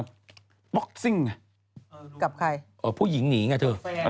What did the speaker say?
จากกระแสของละครกรุเปสันนิวาสนะฮะ